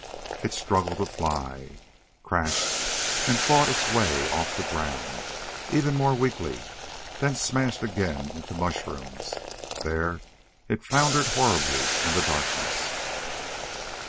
It struggled to fly, crashed, and fought its way off the ground ever more weakly then smashed again into mushrooms. There it floundered horribly in the darkness.